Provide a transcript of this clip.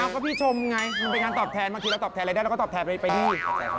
ก็พี่ชมไงมันเป็นการตอบแทนบางทีเราตอบแทนอะไรได้เราก็ตอบแทนไปที่